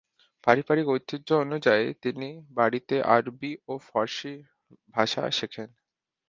পারিবারিক ঐতিহ্য অনুযায়ী তিনি বাড়িতে আরবি ও ফারসি ভাষা শেখেন।